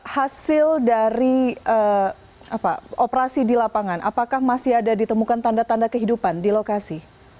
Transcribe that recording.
hasil dari operasi di lapangan apakah masih ada ditemukan tanda tanda kehidupan di lokasi